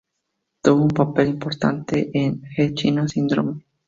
Tuvo un papel importante en "The China Syndrome".